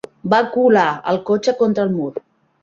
Va acular el cotxe contra el mur.